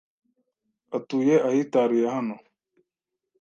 Atuye ahitaruye hano.